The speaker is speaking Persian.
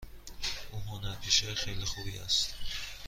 او هنرپیشه خیلی خوبی است.